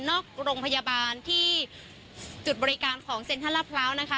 นอกโรงพยาบาลที่จุดบริการของเซ็นทรัลลาดพร้าวนะคะ